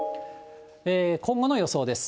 今後の予想です。